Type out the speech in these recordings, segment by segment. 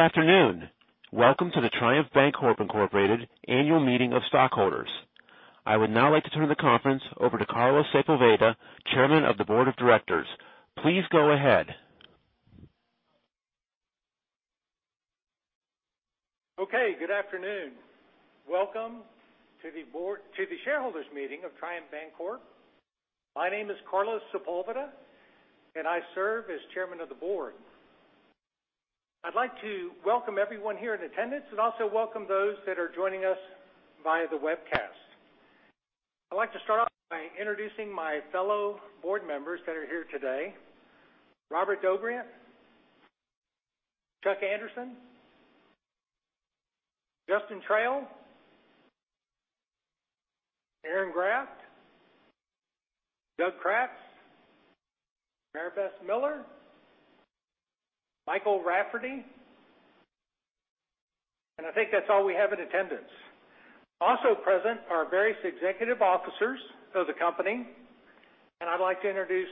Good afternoon. Welcome to the Triumph Bancorp Incorporated annual meeting of stockholders. I would now like to turn the conference over to Carlos Sepulveda, Chairman of the Board of Directors. Please go ahead. Okay. Good afternoon. Welcome to the shareholders' meeting of Triumph Bancorp. My name is Carlos Sepulveda, and I serve as Chairman of the Board. I'd like to welcome everyone here in attendance and also welcome those that are joining us via the webcast. I'd like to start off by introducing my fellow board members that are here today, Robert Dobrient, Chuck Anderson, Justin Trail, Aaron Graft, Doug Kratz, Maribess Miller, Michael Rafferty, and I think that's all we have in attendance. Also present are various executive officers of the company, and I'd like to introduce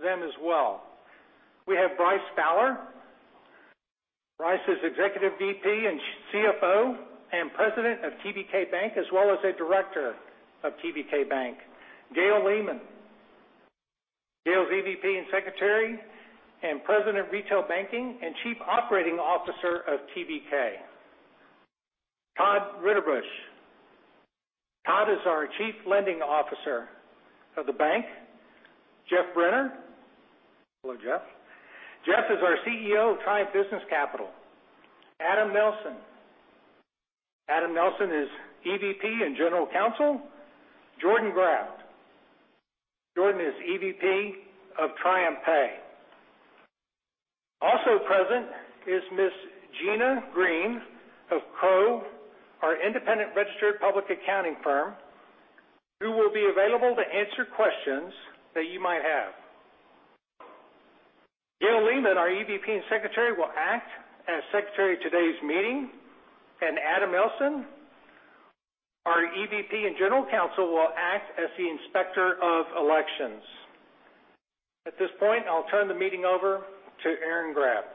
them as well. We have Bryce Fowler. Bryce is Executive VP and CFO and President of TBK Bank, as well as a director of TBK Bank. Gail Lehmann. Gail is EVP and Secretary and President, Retail Banking, and Chief Operating Officer of TBK. Todd Ritterbusch. Todd is our Chief Lending Officer of the bank. Geoff Brenner. Hello, Geoff. Geoff is our CEO of Triumph Business Capital. Adam Nelson. Adam Nelson is EVP and General Counsel. Jordan Graft. Jordan is EVP of TriumphPay. Also present is Miss Gina Green of Crowe, our independent registered public accounting firm, who will be available to answer questions that you might have. Gail Lehmann, our EVP and Secretary, will act as Secretary of today's meeting, and Adam Nelson, our EVP and General Counsel, will act as the Inspector of Elections. At this point, I'll turn the meeting over to Aaron Graft.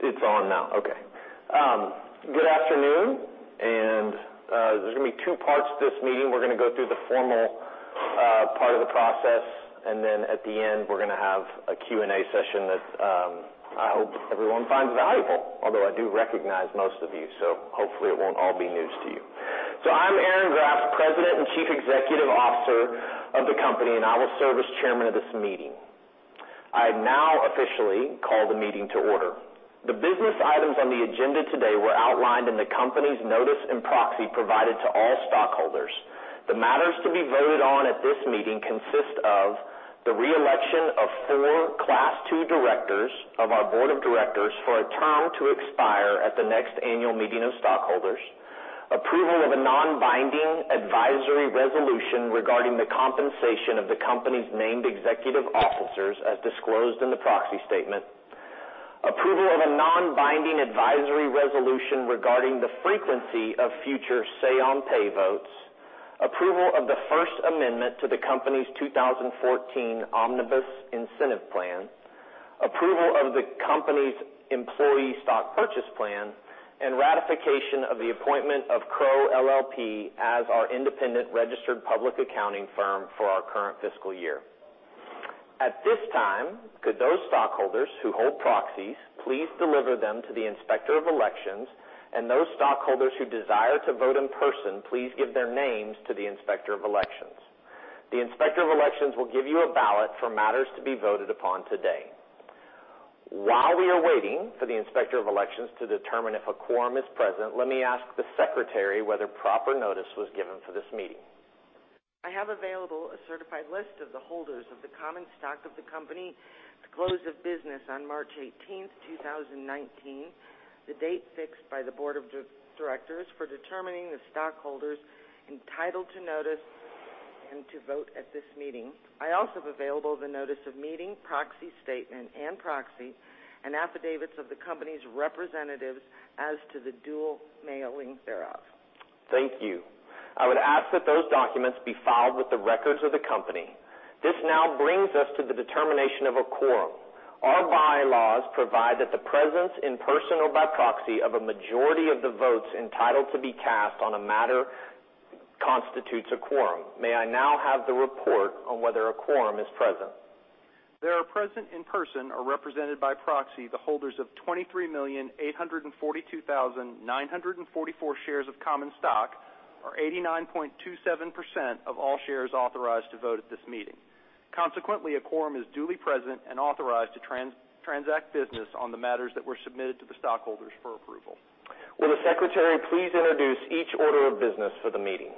It's on now. Okay. Good afternoon. There's going to be two parts to this meeting. We're going to go through the formal part of the process, at the end, we're going to have a Q&A session that I hope everyone finds valuable. Although I do recognize most of you, hopefully it won't all be news to you. I'm Aaron Graft, President and Chief Executive Officer of the company, and I will serve as Chairman of this meeting. I now officially call the meeting to order. The business items on the agenda today were outlined in the company's notice and proxy provided to all stockholders. The matters to be voted on at this meeting consist of the re-election of 4 Class II directors of our board of directors for a term to expire at the next annual meeting of stockholders, approval of a non-binding advisory resolution regarding the compensation of the company's Named Executive Officers as disclosed in the proxy statement, approval of a non-binding advisory resolution regarding the frequency of future say-on-pay votes, approval of the first amendment to the company's 2014 Omnibus Incentive Plan, approval of the company's employee stock purchase plan, and ratification of the appointment of Crowe LLP as our independent registered public accounting firm for our current fiscal year. At this time, could those stockholders who hold proxies please deliver them to the Inspector of Elections and those stockholders who desire to vote in person please give their names to the Inspector of Elections. The Inspector of Elections will give you a ballot for matters to be voted upon today. While we are waiting for the Inspector of Elections to determine if a quorum is present, let me ask the Secretary whether proper notice was given for this meeting. I have available a certified list of the holders of the common stock of the company at the close of business on March 18th, 2019, the date fixed by the board of directors for determining the stockholders entitled to notice and to vote at this meeting. I also have available the notice of meeting, proxy statement and proxy, and affidavits of the company's representatives as to the dual mailing thereof. Thank you. I would ask that those documents be filed with the records of the company. This now brings us to the determination of a quorum. Our bylaws provide that the presence in person or by proxy of a majority of the votes entitled to be cast on a matter constitutes a quorum. May I now have the report on whether a quorum is present? There are present in person or represented by proxy the holders of 23,842,944 shares of common stock, or 89.27% of all shares authorized to vote at this meeting. Consequently, a quorum is duly present and authorized to transact business on the matters that were submitted to the stockholders for approval. Will the Secretary please introduce each order of business for the meeting?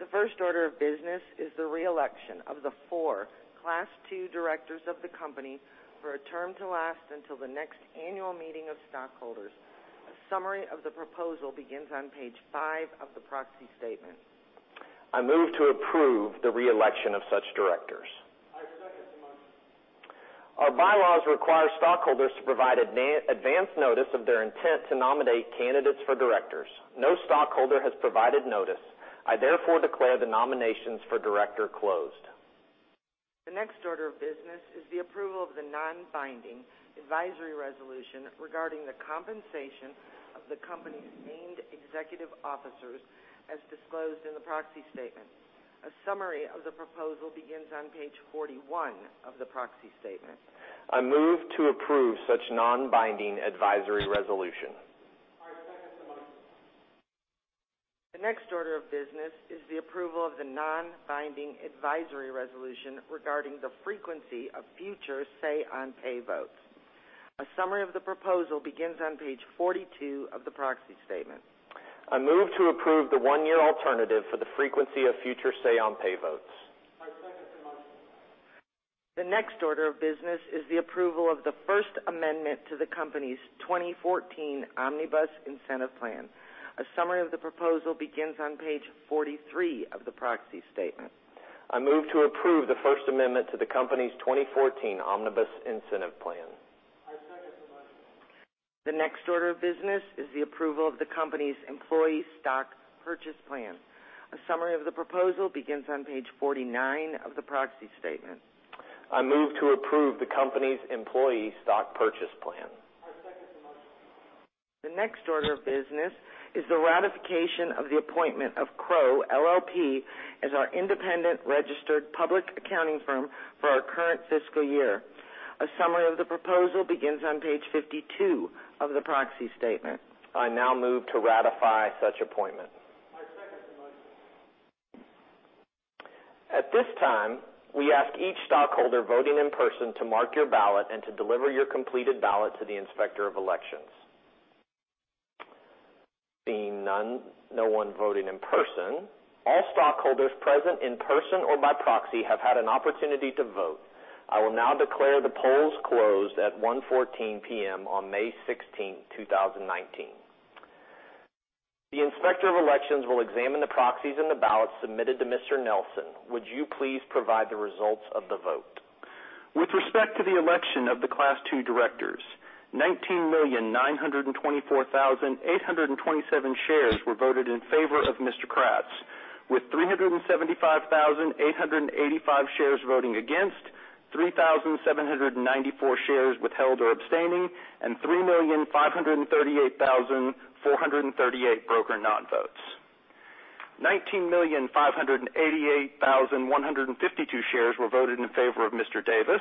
The first order of business is the re-election of the four Class 2 directors of the company for a term to last until the next annual meeting of stockholders. A summary of the proposal begins on page five of the proxy statement. I move to approve the re-election of such directors. Our bylaws require stockholders to provide advanced notice of their intent to nominate candidates for directors. No stockholder has provided notice. I therefore declare the nominations for director closed. The next order of business is the approval of the non-binding advisory resolution regarding the compensation of the company's named executive officers as disclosed in the proxy statement. A summary of the proposal begins on page 41 of the proxy statement. I move to approve such non-binding advisory resolution. I second the motion. The next order of business is the approval of the non-binding advisory resolution regarding the frequency of future say-on-pay votes. A summary of the proposal begins on page 42 of the proxy statement. I move to approve the one-year alternative for the frequency of future say-on-pay votes. I second the motion. The next order of business is the approval of the first amendment to the company's 2014 Omnibus Incentive Plan. A summary of the proposal begins on page 43 of the proxy statement. I move to approve the first amendment to the company's 2014 Omnibus Incentive Plan. I second the motion. The next order of business is the approval of the company's Employee Stock Purchase Plan. A summary of the proposal begins on page 49 of the proxy statement. I move to approve the company's Employee Stock Purchase Plan. I second the motion. The next order of business is the ratification of the appointment of Crowe LLP as our independent registered public accounting firm for our current fiscal year. A summary of the proposal begins on page 52 of the proxy statement. I now move to ratify such appointment. I second the motion. At this time, we ask each stockholder voting in person to mark your ballot and to deliver your completed ballot to the Inspector of Elections. Seeing no one voting in person, all stockholders present in person or by proxy have had an opportunity to vote. I will now declare the polls closed at 1:14 P.M. on May 16, 2019. The Inspector of Elections will examine the proxies and the ballots submitted to Mr. Nelson. Would you please provide the results of the vote? With respect to the election of the Class II directors, 19,924,827 shares were voted in favor of Mr. Kratz, with 375,885 shares voting against, 3,794 shares withheld or abstaining, and 3,538,438 broker non-votes. 19,588,152 shares were voted in favor of Mr. Davis,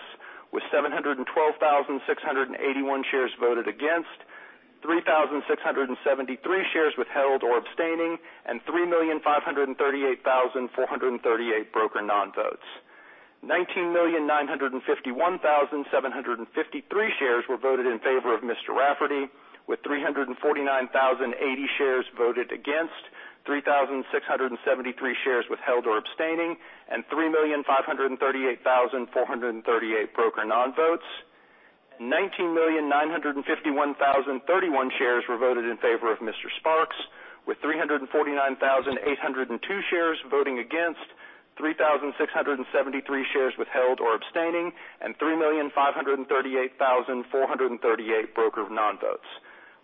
with 712,681 shares voted against, 3,673 shares withheld or abstaining, and 3,538,438 broker non-votes. 19,951,753 shares were voted in favor of Mr. Rafferty, with 349,080 shares voted against, 3,673 shares withheld or abstaining, and 3,538,438 broker non-votes. 19,951,031 shares were voted in favor of Mr. Sparks, with 349,802 shares voting against, 3,673 shares withheld or abstaining, and 3,538,438 broker non-votes.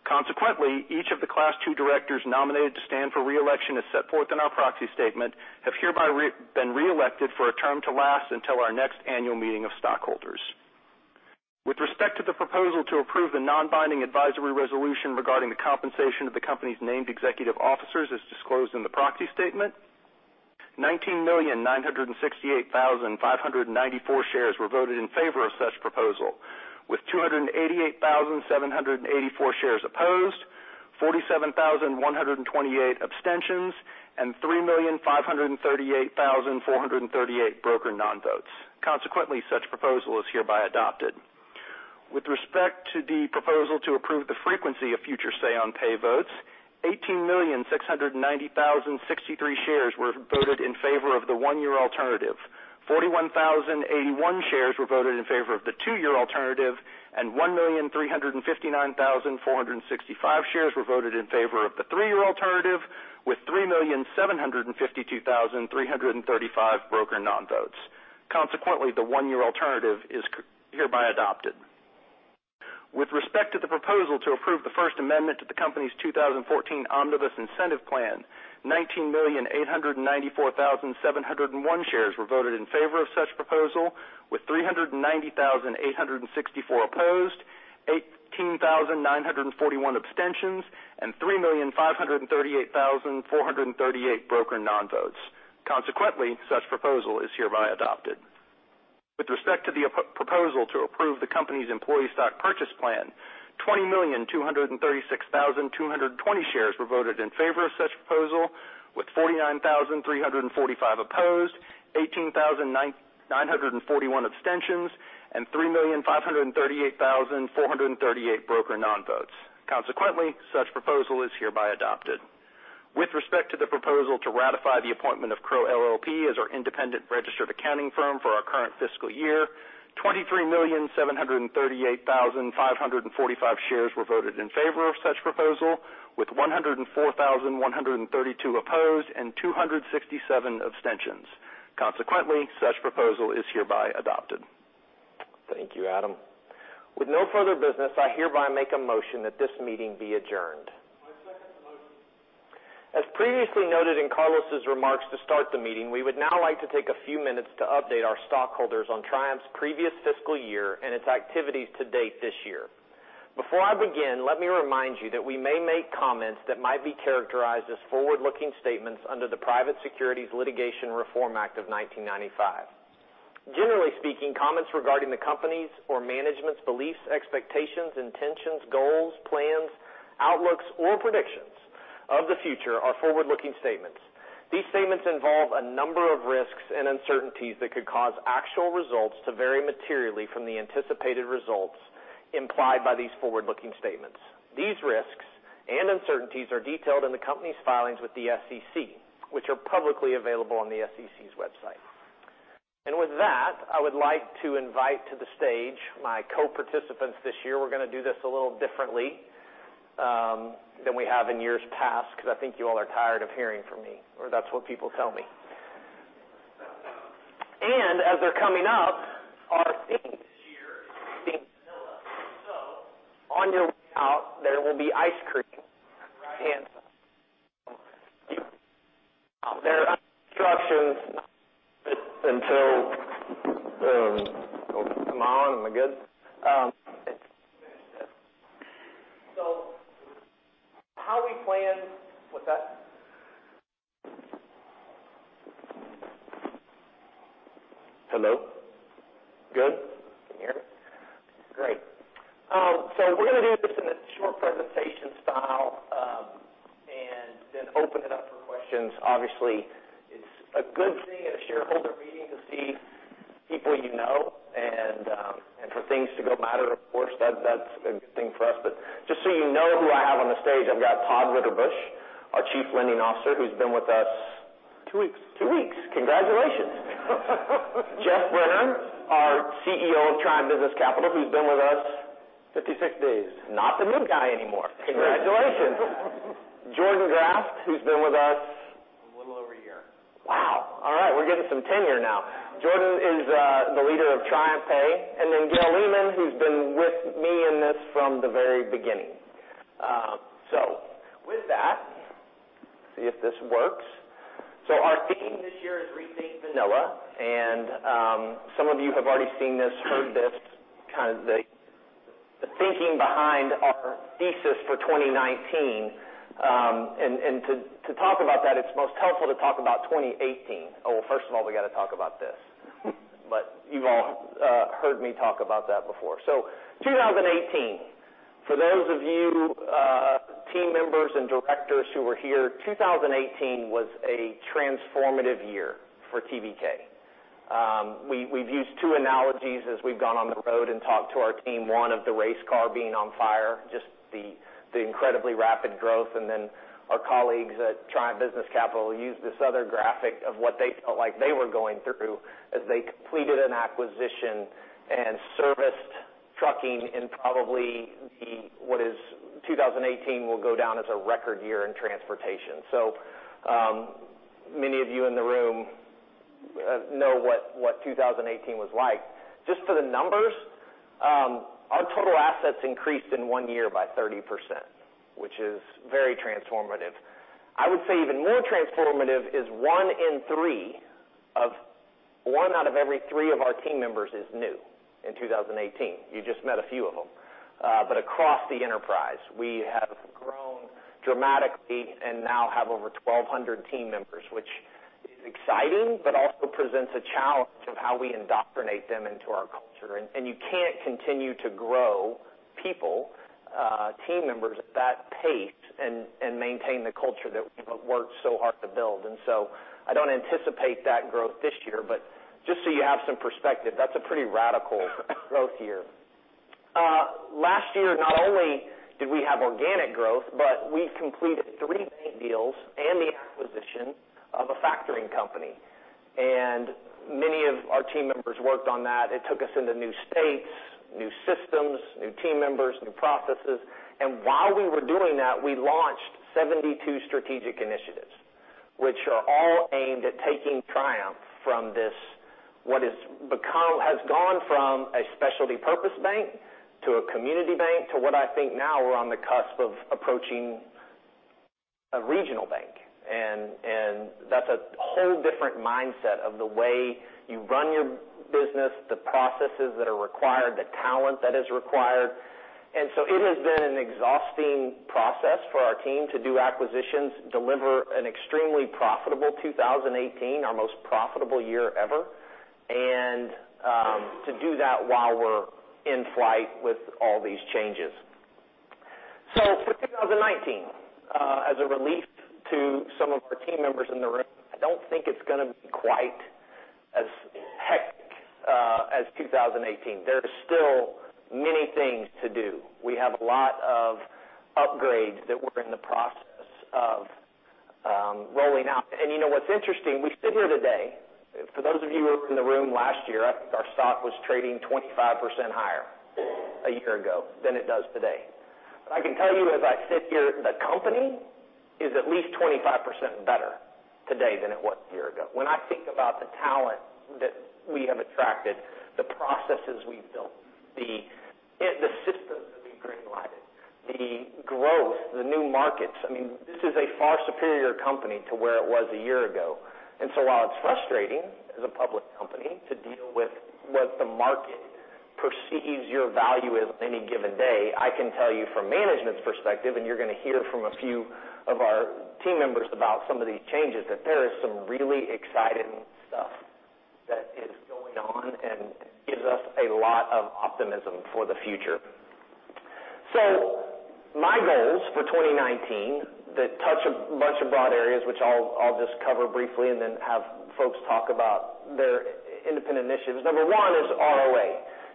Consequently, each of the Class II directors nominated to stand for re-election as set forth in our proxy statement have hereby been re-elected for a term to last until our next annual meeting of stockholders. With respect to the proposal to approve the non-binding advisory resolution regarding the compensation of the company's Named Executive Officers as disclosed in the proxy statement, 19,968,594 shares were voted in favor of such proposal, with 288,784 shares opposed, 47,128 abstentions, and 3,538,438 broker non-votes. Consequently, such proposal is hereby adopted. With respect to the proposal to approve the frequency of future say-on-pay votes, 18,690,063 shares were voted in favor of the one-year alternative, 41,081 shares were voted in favor of the two-year alternative, and 1,359,465 shares were voted in favor of the three-year alternative, with 3,752,335 broker non-votes. Consequently, the one-year alternative is hereby adopted. With respect to the proposal to approve the first amendment to the company's 2014 Omnibus Incentive Plan, 19,894,701 shares were voted in favor of such proposal, with 390,864 opposed, 18,941 abstentions, and 3,538,438 broker non-votes. Consequently, such proposal is hereby adopted. With respect to the proposal to approve the company's employee stock purchase plan, 20,236,220 shares were voted in favor of such proposal, with 49,345 opposed, 18,941 abstentions, and 3,538,438 broker non-votes. Consequently, such proposal is hereby adopted. With respect to the proposal to ratify the appointment of Crowe LLP as our independent registered accounting firm for our current fiscal year, 23,738,545 shares were voted in favor of such proposal, with 104,132 opposed and 267 abstentions. Consequently, such proposal is hereby adopted. Thank you, Adam. With no further business, I hereby make a motion that this meeting be adjourned. I second the motion. As previously noted in Carlos' remarks to start the meeting, we would now like to take a few minutes to update our stockholders on Triumph's previous fiscal year and its activities to date this year. Before I begin, let me remind you that we may make comments that might be characterized as forward-looking statements under the Private Securities Litigation Reform Act of 1995. Generally speaking, comments regarding the company's or management's beliefs, expectations, intentions, goals, plans, outlooks, or predictions of the future are forward-looking statements. These statements involve a number of risks and uncertainties that could cause actual results to vary materially from the anticipated results implied by these forward-looking statements. These risks and uncertainties are detailed in the company's filings with the SEC, which are publicly available on the SEC's website. With that, I would like to invite to the stage my co-participants this year. We're going to do this a little differently than we have in years past because I think you all are tired of hearing from me, or that's what people tell me. As they're coming up, our theme this year is Rethink Vanilla. On your way out, there will be ice cream. There are instructions until Am I on? Am I good? What's that? Hello? Good? Can you hear me? Great. We're going to do this in a short presentation style, and then open it up for questions. Obviously, it's a good thing at a shareholder meeting to see people you know, and for things to go matter, of course, that's a good thing for us. Just so you know who I have on the stage, I've got Todd Ritterbusch, our Chief Lending Officer, who's been with us- Two weeks. Two weeks. Congratulations. Geoff Brenner, our CEO of Triumph Business Capital, who's been with us 56 days. Not the new guy anymore. Congratulations. Jordan Graft, who's been with us A little over a year. Wow. All right. We're getting some tenure now. Jordan is the leader of TriumphPay. Gail Lehmann, who's been with me in this from the very beginning. With that, see if this works. Our theme this year is Rethink Vanilla, and some of you have already seen this, heard this, kind of the thinking behind our thesis for 2019. To talk about that, it's most helpful to talk about 2018. First of all, we got to talk about this. You've all heard me talk about that before. 2018, for those of you team members and directors who were here, 2018 was a transformative year for TBK. We've used two analogies as we've gone on the road and talked to our team. One of the race car being on fire, just the incredibly rapid growth, and then our colleagues at Triumph Business Capital used this other graphic of what they felt like they were going through as they completed an acquisition and serviced trucking in probably 2018 will go down as a record year in transportation. Many of you in the room know what 2018 was like. Just for the numbers, our total assets increased in one year by 30%, which is very transformative. I would say even more transformative is one out of every three of our team members is new in 2018. You just met a few of them. Across the enterprise, we have grown dramatically and now have over 1,200 team members, which is exciting, but also presents a challenge of how we indoctrinate them into our culture. You can't continue to grow people, team members, at that pace and maintain the culture that we have worked so hard to build. I don't anticipate that growth this year, but just so you have some perspective, that's a pretty radical growth year. Last year, not only did we have organic growth, but we completed three bank deals and the acquisition of a factoring company. Many of our team members worked on that. It took us into new states, new systems, new team members, new processes. While we were doing that, we launched 72 strategic initiatives, which are all aimed at taking Triumph from this, what has gone from a specialty purpose bank to a community bank to what I think now we're on the cusp of approaching a regional bank. That's a whole different mindset of the way you run your business, the processes that are required, the talent that is required. It has been an exhausting process for our team to do acquisitions, deliver an extremely profitable 2018, our most profitable year ever, and to do that while we're in flight with all these changes. For 2019, as a relief to some of our team members in the room, I don't think it's going to be quite as hectic as 2018. There are still many things to do. We have a lot of upgrades that we're in the process of rolling out. You know what's interesting, we sit here today. For those of you who were in the room last year, I think our stock was trading 25% higher a year ago than it does today. I can tell you as I sit here, the company is at least 25% better today than it was a year ago. When I think about the talent that we have attracted, the processes we've built, the systems that we've green lighted, the growth, the new markets, this is a far superior company to where it was a year ago. While it's frustrating as a public company to deal with what the market perceives your value is on any given day, I can tell you from management's perspective, and you're going to hear from a few of our team members about some of these changes, that there is some really exciting stuff that is going on and gives us a lot of optimism for the future. My goals for 2019 that touch a bunch of broad areas, which I'll just cover briefly and then have folks talk about their independent initiatives. Number one is ROA.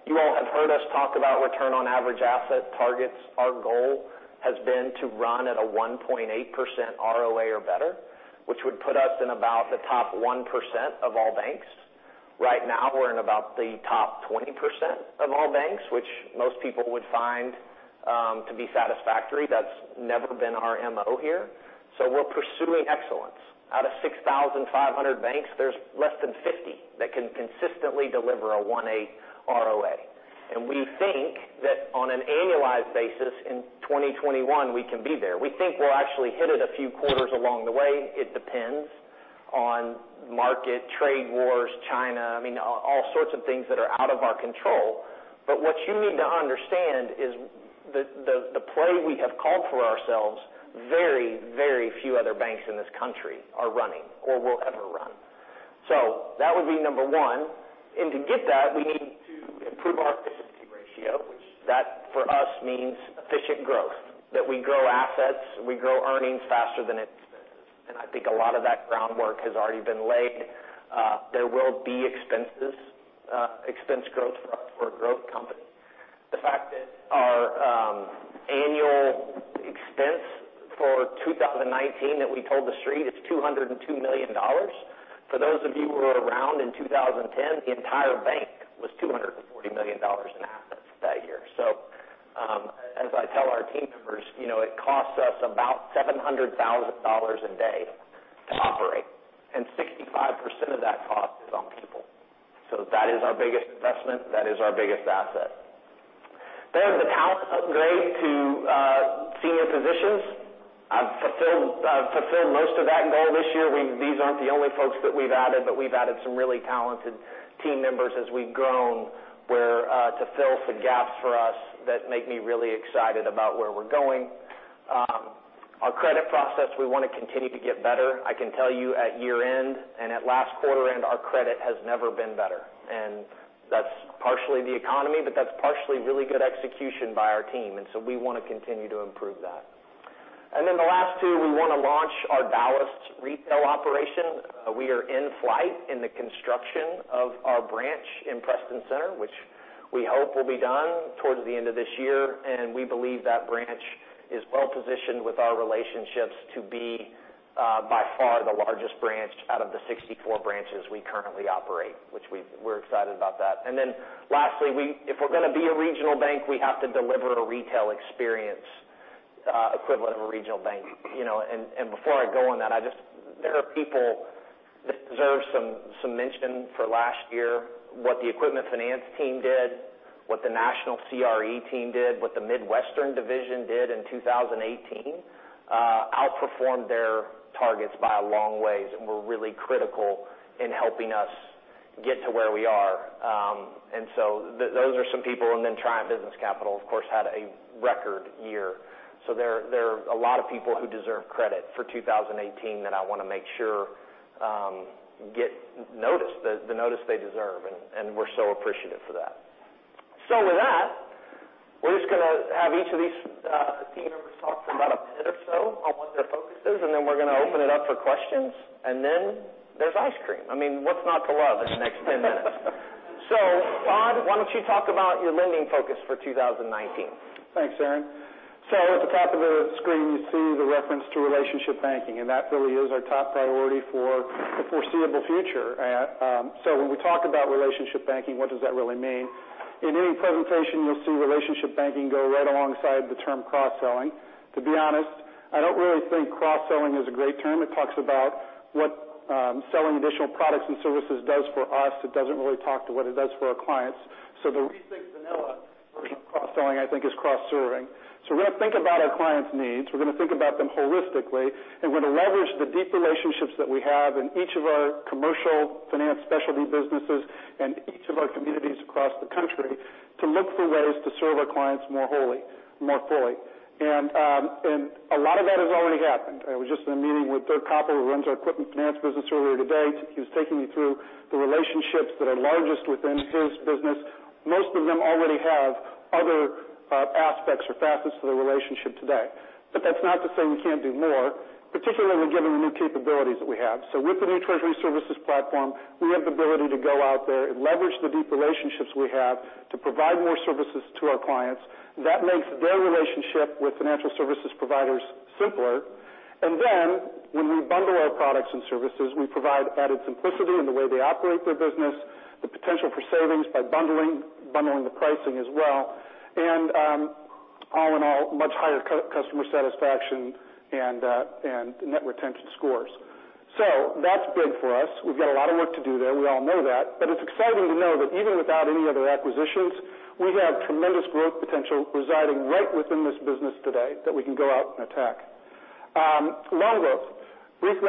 You all have heard us talk about return on average asset targets. Our goal has been to run at a 1.8% ROA or better, which would put us in about the top 1% of all banks. Right now, we're in about the top 20% of all banks, which most people would find to be satisfactory. That's never been our MO here. We're pursuing excellence. Out of 6,500 banks, there's less than 50 that can consistently deliver a 1.8 ROA. We think that on an annualized basis in 2021, we can be there. We think we'll actually hit it a few quarters along the way. It depends on market, trade wars, China, all sorts of things that are out of our control. What you need to understand is the play we have called for ourselves, very few other banks in this country are running or will ever run. That would be number one. To get that, we need to improve our efficiency ratio, which that for us means efficient growth, that we grow assets, we grow earnings faster than expenses. I think a lot of that groundwork has already been laid. There will be expense growth for us. We're a growth company. The fact is our annual expense for 2019 that we told the street, it's $202 million. For those of you who were around in 2010, the entire bank was $240 million in assets that year. As I tell our team members, it costs us about $700,000 a day to operate, and 65% of that cost is on people. That is our biggest investment. That is our biggest asset. The talent upgrade to senior positions. I've fulfilled most of that goal this year. These aren't the only folks that we've added, but we've added some really talented team members as we've grown to fill some gaps for us that make me really excited about where we're going. Our credit process, we want to continue to get better. I can tell you at year end and at last quarter end, our credit has never been better. That's partially the economy, but that's partially really good execution by our team. We want to continue to improve that. The last two, we want to launch our Dallas retail operation. We are in flight in the construction of our branch in Preston Center, which we hope will be done towards the end of this year. We believe that branch is well positioned with our relationships to be by far the largest branch out of the 64 branches we currently operate, which we're excited about that. Lastly, if we're going to be a regional bank, we have to deliver a retail experience equivalent of a regional bank. Before I go on that, there are people that deserve some mention for last year. What the equipment finance team did, what the national CRE team did, what the Midwestern division did in 2018, outperformed their targets by a long ways and were really critical in helping us get to where we are. Those are some people, and then Triumph Business Capital, of course, had a record year. There are a lot of people who deserve credit for 2018 that I want to make sure get the notice they deserve, and we're so appreciative for that. With that, we're just going to have each of these team members talk for about a minute or so on what their focus is, and then we're going to open it up for questions, and then there's ice cream. What's not to love in the next 10 minutes? Todd, why don't you talk about your lending focus for 2019? Thanks, Aaron. At the top of the screen, you see the reference to relationship banking, that really is our top priority for the foreseeable future. When we talk about relationship banking, what does that really mean? In any presentation, you'll see relationship banking go right alongside the term cross-selling. To be honest, I don't really think cross-selling is a great term. It talks about what selling additional products and services does for us. It doesn't really talk to what it does for our clients. The rethink vanilla version of cross-selling I think is cross-serving. We're going to think about our clients' needs. We're going to think about them holistically, we're going to leverage the deep relationships that we have in each of our commercial finance specialty businesses and each of our communities across the country to look for ways to serve our clients more fully. A lot of that has already happened. I was just in a meeting with Dirk Copple, who runs our equipment finance business, earlier today. He was taking me through the relationships that are largest within his business. Most of them already have other aspects or facets to the relationship today. That's not to say we can't do more, particularly given the new capabilities that we have. With the new treasury services platform, we have the ability to go out there and leverage the deep relationships we have to provide more services to our clients. That makes their relationship with financial services providers simpler. When we bundle our products and services, we provide added simplicity in the way they operate their business, the potential for savings by bundling the pricing as well, and all in all, much higher customer satisfaction and net retention scores. That's big for us. We've got a lot of work to do there. We all know that. It's exciting to know that even without any other acquisitions, we have tremendous growth potential residing right within this business today that we can go out and attack. Loan growth. We've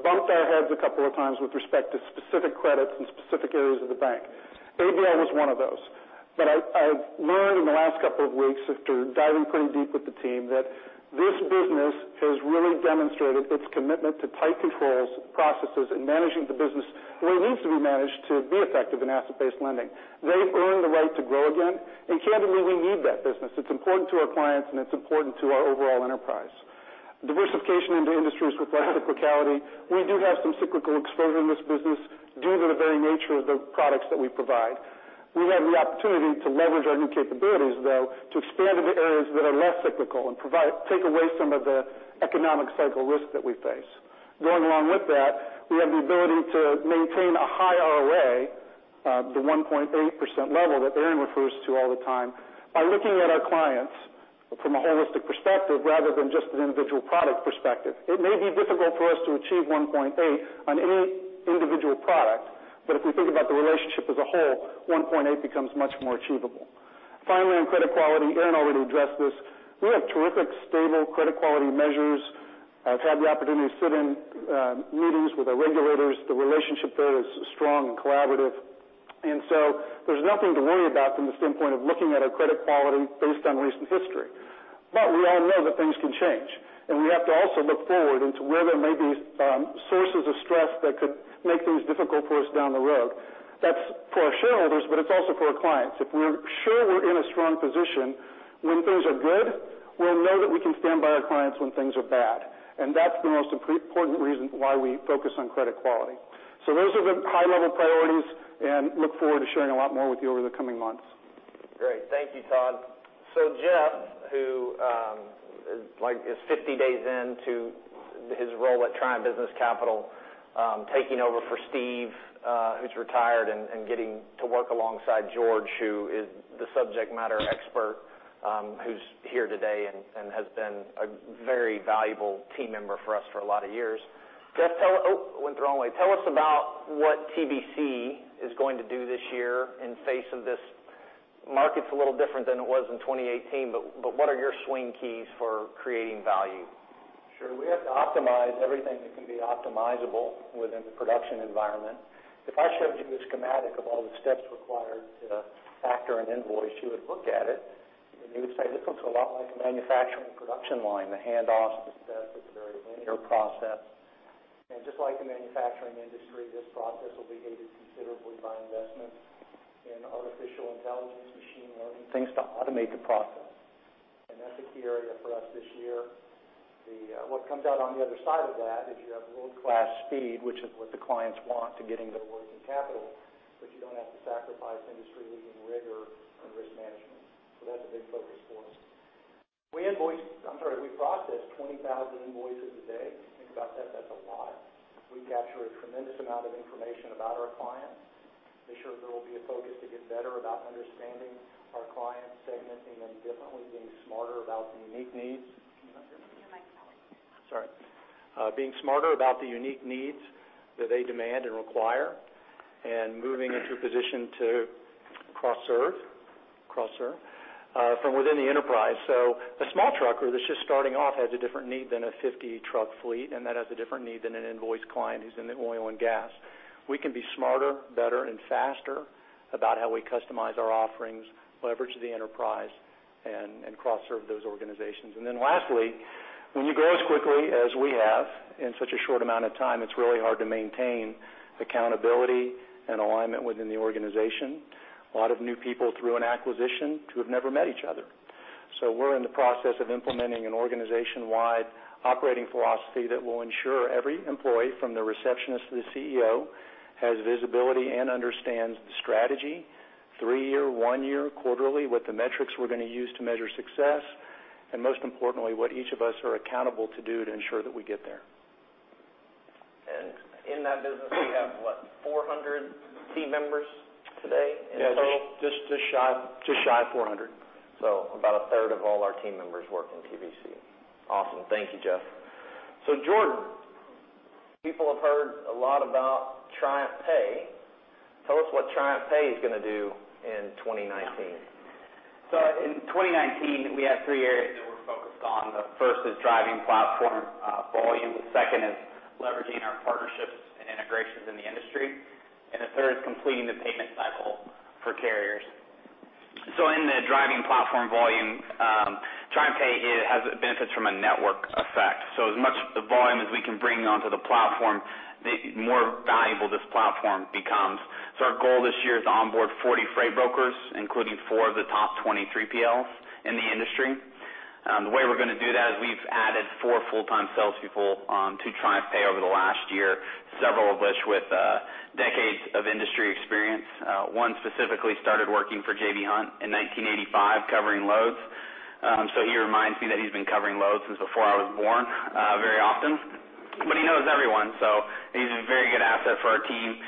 bumped our heads a couple of times with respect to specific credits and specific areas of the bank. ABL was one of those. I've learned in the last couple of weeks after diving pretty deep with the team that this business has really demonstrated its commitment to tight controls, processes, and managing the business the way it needs to be managed to be effective in asset-based lending. They've earned the right to grow again, and candidly, we need that business. It's important to our clients and it's important to our overall enterprise. Diversification into industries with less cyclicality. We do have some cyclical exposure in this business due to the very nature of the products that we provide. We have the opportunity to leverage our new capabilities, though, to expand into areas that are less cyclical and take away some of the economic cycle risk that we face. Going along with that, we have the ability to maintain a high ROA, the 1.8% level that Aaron refers to all the time, by looking at our clients from a holistic perspective rather than just an individual product perspective. It may be difficult for us to achieve 1.8 on any individual product, but if we think about the relationship as a whole, 1.8 becomes much more achievable. Finally, on credit quality, Aaron already addressed this. We have terrific stable credit quality measures. I've had the opportunity to sit in meetings with our regulators. The relationship there is strong and collaborative. There's nothing to worry about from the standpoint of looking at our credit quality based on recent history. We all know that things can change, we have to also look forward into where there may be sources of stress that could make things difficult for us down the road. That's for our shareholders, but it's also for our clients. If we're sure we're in a strong position when things are good, we'll know that we can stand by our clients when things are bad. That's the most important reason why we focus on credit quality. Those are the high-level priorities, and look forward to sharing a lot more with you over the coming months. Great. Thank you, Todd. Geoff, who is 50 days into his role at Triumph Business Capital, taking over for Steve, who's retired, and getting to work alongside George, who is the subject matter expert, who's here today and has been a very valuable team member for us for a lot of years. Geoff, oh, it went the wrong way. Tell us about what TBC is going to do this year in face of this. Market's a little different than it was in 2018, but what are your swing keys for creating value? Sure. We have to optimize everything that can be optimizable within the production environment. If I showed you a schematic of all the steps required to factor an invoice, you would look at it and you would say, "This looks a lot like a manufacturing production line," the handoffs, the steps, it's a very linear process. Just like the manufacturing industry, this process will be aided considerably by investment in artificial intelligence, machine learning, things to automate the process. That's a key area for us this year. What comes out on the other side of that is you have world-class speed, which is what the clients want to getting their working capital, but you don't have to sacrifice industry-leading rigor and risk management. That's a big focus for us. We, I'm sorry, we process 20,000 invoices a day. If you think about that's a lot. We capture a tremendous amount of information about our clients. This year, there will be a focus to get better about understanding our clients, segmenting them differently, being smarter about the unique needs. Can you put your mic up? Sorry. Being smarter about the unique needs that they demand and require, and moving into a position to cross-serve from within the enterprise. A small trucker that's just starting off has a different need than a 50-truck fleet, and that has a different need than an invoice client who's in oil and gas. We can be smarter, better, and faster about how we customize our offerings, leverage the enterprise, and cross-serve those organizations. Lastly, when you grow as quickly as we have in such a short amount of time, it's really hard to maintain accountability and alignment within the organization. A lot of new people through an acquisition who have never met each other. We're in the process of implementing an organization-wide operating philosophy that will ensure every employee, from the receptionist to the CEO, has visibility and understands the strategy, three-year, one-year, quarterly, what the metrics we're going to use to measure success, and most importantly, what each of us are accountable to do to ensure that we get there. In that business, we have, what, 400 team members today in total? Yeah, just shy of 400. About a third of all our team members work in TBC. Awesome. Thank you, Geoff. Jordan, people have heard a lot about TriumphPay. Tell us what TriumphPay is going to do in 2019. In 2019, we have three areas that we're focused on. The first is driving platform volume, the second is leveraging our partnerships and integrations in the industry, and the third is completing the payment cycle for carriers. In the driving platform volume, TriumphPay has benefits from a network effect. As much the volume as we can bring onto the platform, the more valuable this platform becomes. Our goal this year is to onboard 40 freight brokers, including four of the top 3PLs in the industry. The way we're going to do that is we've added four full-time salespeople onto TriumphPay over the last year, several of which with decades of industry experience. One specifically started working for J.B. Hunt in 1985 covering loads. He reminds me that he's been covering loads since before I was born very often. He knows everyone, so he's a very good asset for our team.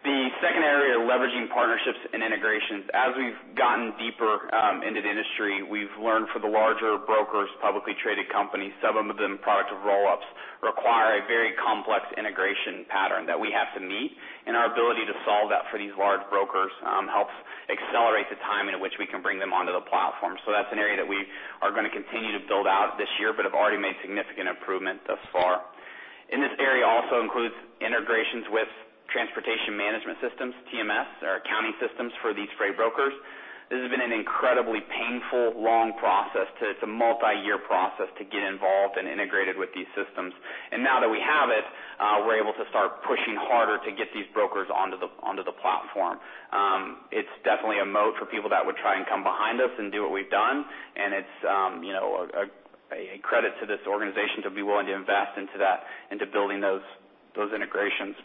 The second area, leveraging partnerships and integrations. As we've gotten deeper into the industry, we've learned for the larger brokers, publicly traded companies, some of them product of roll-ups, require a very complex integration pattern that we have to meet. Our ability to solve that for these large brokers helps accelerate the time in which we can bring them onto the platform. That's an area that we are going to continue to build out this year, but have already made significant improvement thus far. In this area also includes integrations with transportation management systems, TMS, or accounting systems for these freight brokers. This has been an incredibly painful, long process. It's a multi-year process to get involved and integrated with these systems. Now that we have it, we're able to start pushing harder to get these brokers onto the platform. It's definitely a moat for people that would try and come behind us and do what we've done, and it's a credit to this organization to be willing to invest into that, into building those integrations.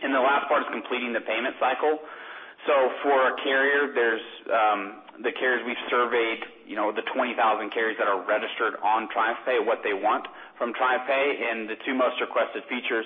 The last part is completing the payment cycle. For a carrier, the carriers we've surveyed, the 20,000 carriers that are registered on TriumphPay, what they want from TriumphPay, the two most requested features,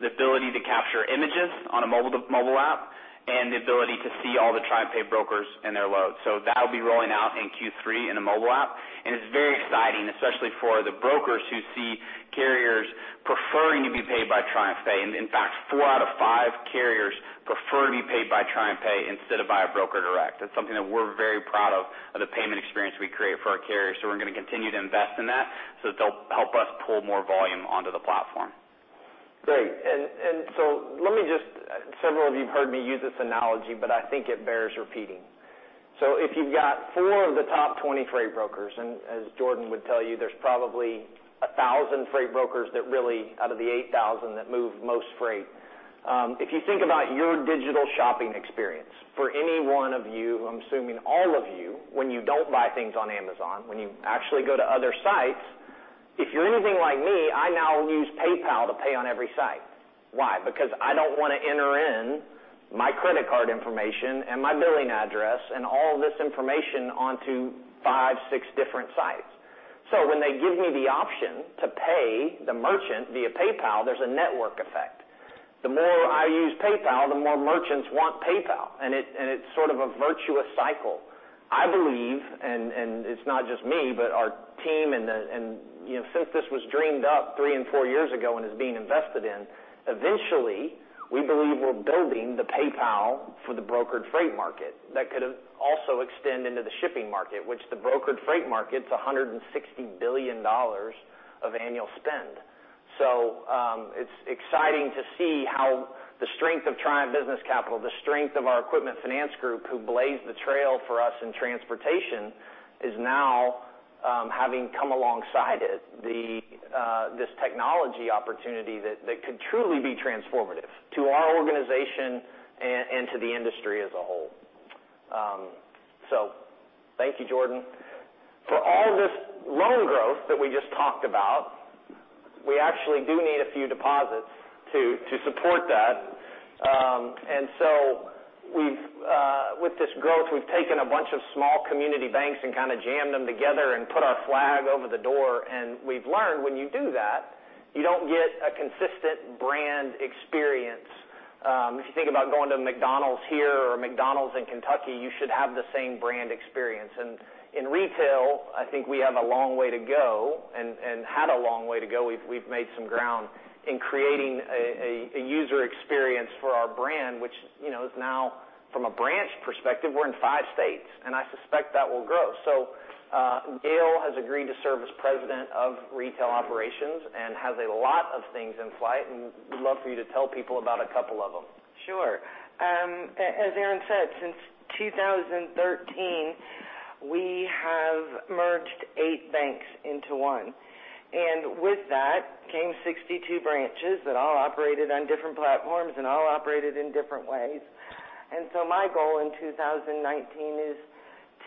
the ability to capture images on a mobile app and the ability to see all the TriumphPay brokers and their loads. That'll be rolling out in Q3 in a mobile app. It's very exciting, especially for the brokers who see carriers preferring to be paid by TriumphPay. In fact, four out of five carriers prefer to be paid by TriumphPay instead of by a broker direct. That's something that we're very proud of the payment experience we create for our carriers. We're going to continue to invest in that so that they'll help us pull more volume onto the platform. Great. Several of you have heard me use this analogy, I think it bears repeating. If you've got four of the top 20 freight brokers, and as Jordan would tell you, there's probably 1,000 freight brokers that really, out of the 8,000, that move most freight. If you think about your digital shopping experience, for any one of you, who I'm assuming all of you, when you don't buy things on Amazon, when you actually go to other sites, if you're anything like me, I now use PayPal to pay on every site. Why? Because I don't want to enter in my credit card information, and my billing address, and all this information onto five, six different sites. When they give me the option to pay the merchant via PayPal, there's a network effect. The more I use PayPal, the more merchants want PayPal, it's sort of a virtuous cycle. I believe, it's not just me, but our team, and since this was dreamed up three and four years ago and is being invested in, eventually, we believe we're building the PayPal for the brokered freight market that could also extend into the shipping market, which the brokered freight market's $160 billion of annual spend. It's exciting to see how the strength of Triumph Business Capital, the strength of our equipment finance group, who blazed the trail for us in transportation, is now having come alongside it, this technology opportunity that could truly be transformative to our organization and to the industry as a whole. Thank you, Jordan. For all this loan growth that we just talked about, we actually do need a few deposits to support that. With this growth, we've taken a bunch of small community banks and kind of jammed them together and put our flag over the door. We've learned when you do that, you don't get a consistent brand experience. If you think about going to McDonald's here or a McDonald's in Kentucky, you should have the same brand experience. In retail, I think we have a long way to go, and had a long way to go. We've made some ground in creating a user experience for our brand, which is now, from a branch perspective, we're in five states, and I suspect that will grow. Gail has agreed to serve as president of retail operations and has a lot of things in flight, and we'd love for you to tell people about a couple of them. Sure. As Aaron said, since 2013, we have merged eight banks into one. With that came 62 branches that all operated on different platforms and all operated in different ways. My goal in 2019 is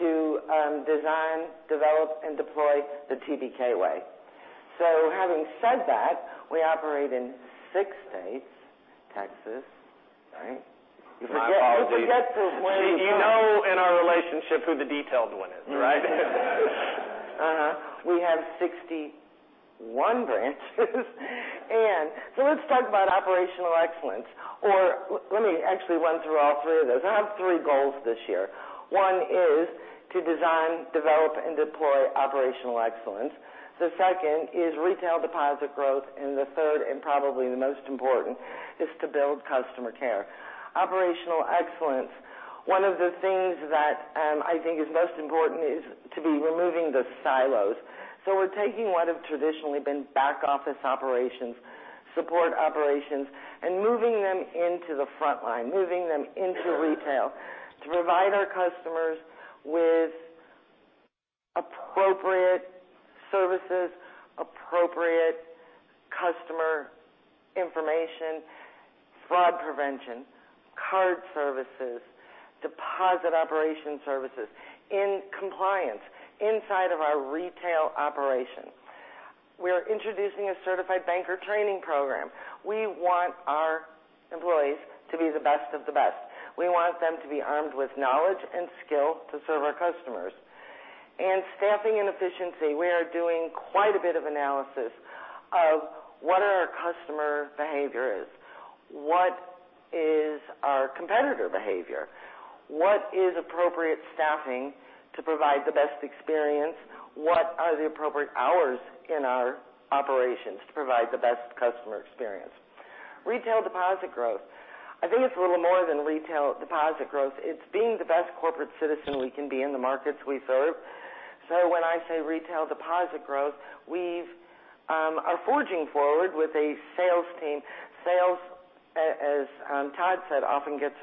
to design, develop, and deploy the TBK way. Having said that, we operate in six states, Texas, right? My apologies. You forget this lady. You know in our relationship who the detailed one is, right? We have 61 branches. Let's talk about operational excellence. Let me actually run through all three of those. I have three goals this year. One is to design, develop, and deploy operational excellence. The second is retail deposit growth, the third, and probably the most important, is to build customer care. Operational excellence. One of the things that I think is most important is to be removing the silos. We're taking what have traditionally been back office operations, support operations, and moving them into the front line, moving them into retail to provide our customers with appropriate services, appropriate information, fraud prevention, card services, deposit operation services in compliance inside of our retail operations. We are introducing a certified banker training program. We want our employees to be the best of the best. We want them to be armed with knowledge and skill to serve our customers. Staffing and efficiency, we are doing quite a bit of analysis of what our customer behavior is, what is our competitor behavior, what is appropriate staffing to provide the best experience, what are the appropriate hours in our operations to provide the best customer experience. Retail deposit growth. I think it's a little more than retail deposit growth. It's being the best corporate citizen we can be in the markets we serve. When I say retail deposit growth, we are forging forward with a sales team. Sales, as Todd said, often gets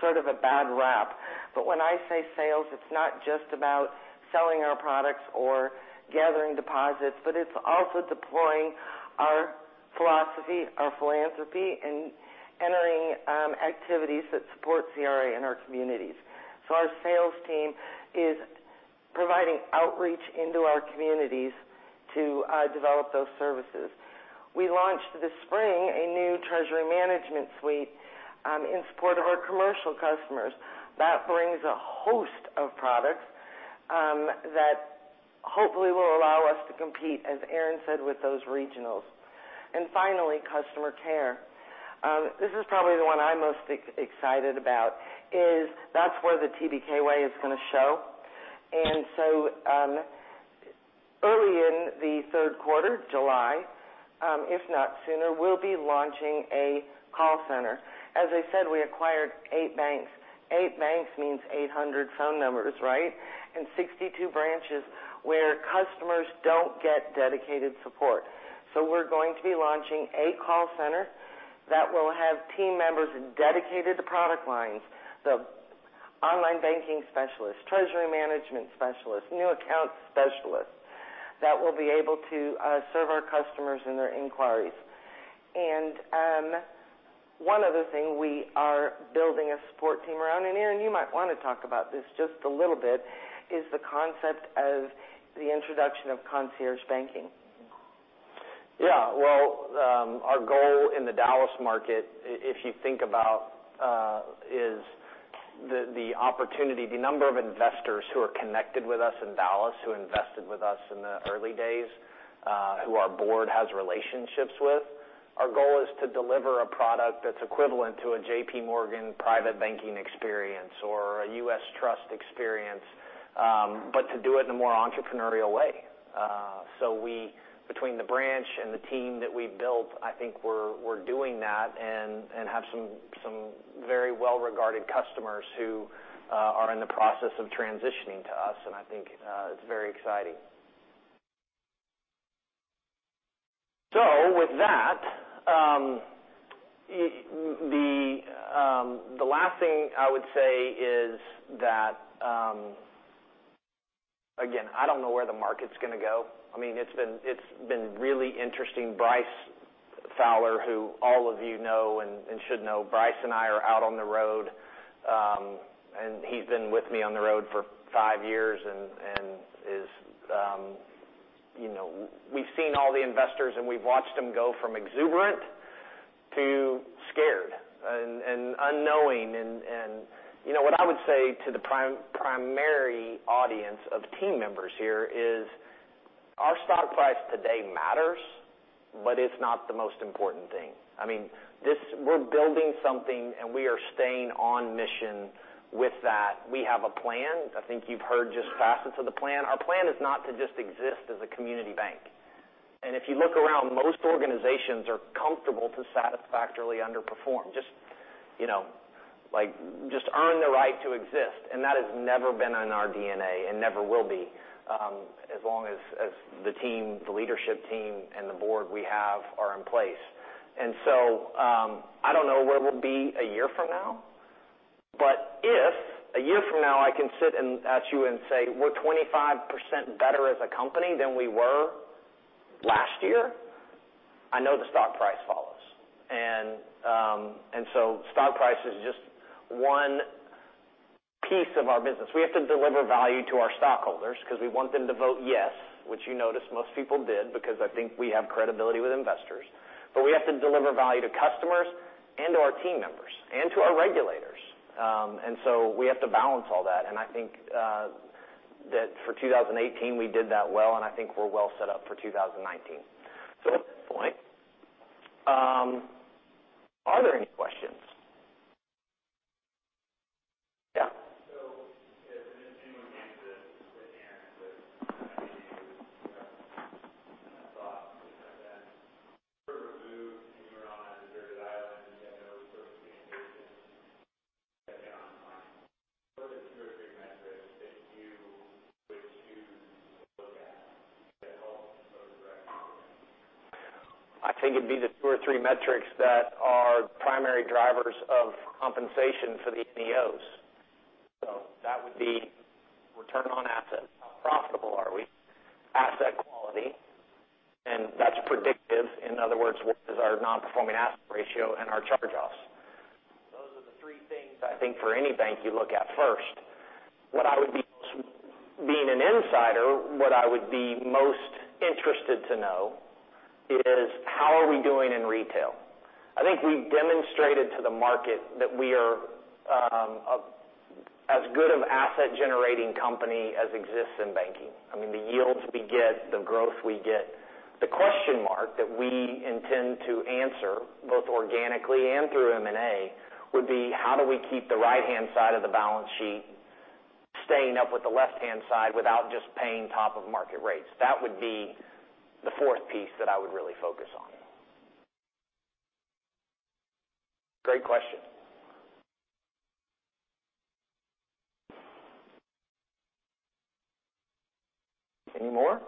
sort of a bad rap. When I say sales, it's not just about selling our products or gathering deposits, it's also deploying our philosophy, our philanthropy, and entering activities that support CRA in our communities. Our sales team is providing outreach into our communities to develop those services. We launched this spring a new treasury management suite in support of our commercial customers. That brings a host of products that hopefully will allow us to compete, as Aaron said, with those regionals. Finally, customer care. This is probably the one I'm most excited about, is that's where the TBK way is going to show. Early in the third quarter, July, if not sooner, we'll be launching a call center. As I said, we acquired eight banks. Eight banks means 800 phone numbers, right, and 62 branches where customers don't get dedicated support. We're going to be launching a call center that will have team members dedicated to product lines, the online banking specialists, treasury management specialists, new account specialists, that will be able to serve our customers and their inquiries. one other thing we are building a support team around, Aaron, you might want to talk about this just a little bit, is the concept of the introduction of concierge banking. Our goal in the Dallas market, if you think about, is the opportunity, the number of investors who are connected with us in Dallas, who invested with us in the early days, who our board has relationships with. Our goal is to deliver a product that's equivalent to a JP Morgan private banking experience or a U.S. Trust experience, but to do it in a more entrepreneurial way. Between the branch and the team that we built, I think we're doing that and have some very well-regarded customers who are in the process of transitioning to us, and I think it's very exciting. With that, the last thing I would say is that, again, I don't know where the market's going to go. It's been really interesting. Bryce Fowler, who all of you know and should know, Bryce and I are out on the road, and he's been with me on the road for five years, and we've seen all the investors, and we've watched them go from exuberant to scared and unknowing. What I would say to the primary audience of team members here is our stock price today matters, but it's not the most important thing. We're building something, and we are staying on mission with that. We have a plan. I think you've heard just facets of the plan. Our plan is not to just exist as a community bank. If you look around, most organizations are comfortable to satisfactorily underperform, just earn the right to exist, and that has never been in our DNA and never will be as long as the leadership team and the board we have are in place. I don't know where we'll be a year from now. If a year from now I can sit at you and say, "We're 25% better as a company than we were last year," I know the stock price follows. Stock price is just one piece of our business. We have to deliver value to our stockholders because we want them to vote yes, which you notice most people did because I think we have credibility with investors. We have to deliver value to customers and to our team members and to our regulators. We have to balance all that, and I think that for 2018, we did that well, and I think we're well set up for 2019. At this point, are there any questions? Yeah. If anyone came to Aaron with an idea, concept, or thought for the next move, and you were on a deserted island and you had no resources, and you had to get online, what are the two or three metrics that you would choose to look at? Technical or direct? I think it'd be the two or three metrics that are primary drivers of compensation for the NEOs. That would be return on assets. How profitable are we? Asset quality, and that's predictive. In other words, what is our non-performing asset ratio and our charge-offs? Those are the three things I think for any bank you look at first. Being an insider, what I would be most interested to know is how are we doing in retail? I think we've demonstrated to the market that we are as good of asset generating company as exists in banking. The yields we get, the growth we get. The question mark that we intend to answer, both organically and through M&A, would be how do we keep the right-hand side of the balance sheet staying up with the left-hand side without just paying top of market rates? That would be the fourth piece that I would really focus on. Great question. Any more?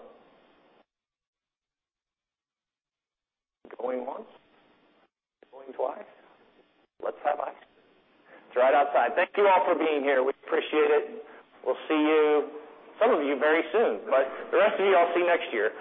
Going once, going twice. Let's have ice. It's right outside. Thank you all for being here. We appreciate it. We'll see you, some of you, very soon. The rest of you, I'll see you next year.